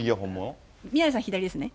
宮根さん、左ですね？